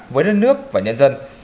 với đất nước và nhân dân